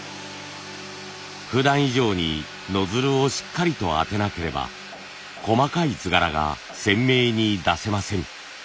ふだん以上にノズルをしっかりと当てなければ細かい図柄が鮮明に出せません。